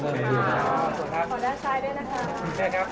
ข้างปกลางก่อนกลางครับ